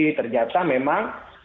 jadi ternyata memang